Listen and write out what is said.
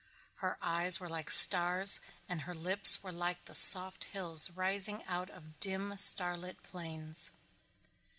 Her eyes were like stars and her lips were like soft hills rising out of dim, star lit plains.